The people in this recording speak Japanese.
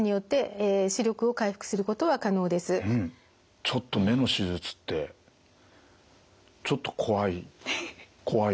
ただちょっと目の手術ってちょっと怖い怖い。